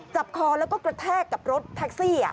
คอแล้วก็กระแทกกับรถแท็กซี่